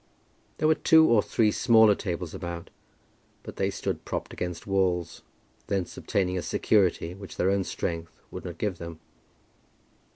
There were two or three smaller tables about, but they stood propped against walls, thence obtaining a security which their own strength would not give them.